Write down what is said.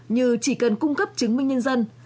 như chỉ cần cung cấp chứng minh nhân dân